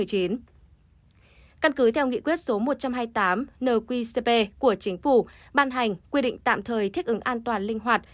căn cứ theo nghị quyết số một trăm hai mươi tám nqcp của chính phủ ban hành quy định tạm thời thích ứng an toàn linh hoạt